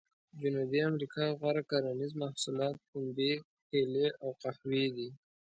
جنوبي امریکا غوره کرنیز محصولات پنبې، کېلې او قهوې دي.